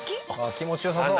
気持ち良さそう。